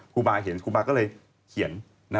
ครูบาเห็นครูบาก็เลยเขียน